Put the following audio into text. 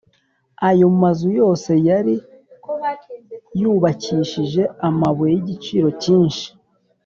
Ayo mazu yose yari yubakishije amabuye y’igiciro cyinshi